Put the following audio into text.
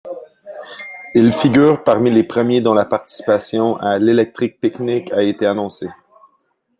Ils figurent parmi les premiers dont la participation à l'Electric Picnic a été annoncée.